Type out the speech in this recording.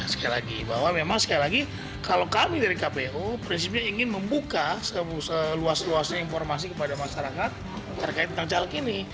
sekali lagi bahwa memang sekali lagi kalau kami dari kpu prinsipnya ingin membuka seluas luasnya informasi kepada masyarakat terkait tentang caleg ini